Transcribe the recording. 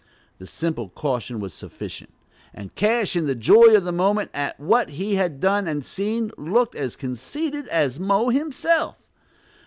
The simple caution was sufficient; and Cash, in the joy of the moment at what he had done and seen, looked as conceited as Mo Mercer himself.